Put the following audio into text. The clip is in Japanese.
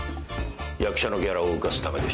役者のギャラを浮かすためでしょう。